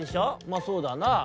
「まあそうだなあ。」